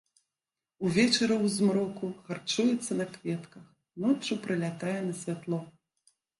Увечары ў змроку харчуецца на кветках, ноччу прылятае на святло.